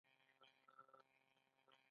لېګنایټ ډېر نرم دي او ډېر رطوبت لري.